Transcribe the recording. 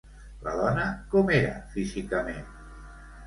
La dona, com era físicament?